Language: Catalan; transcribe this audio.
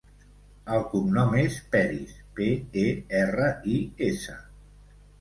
El cognom és Peris: pe, e, erra, i, essa.